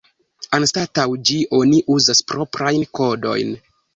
Anstataŭ ĝi oni uzas proprajn kodojn.